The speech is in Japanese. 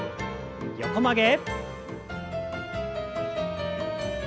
横曲げ。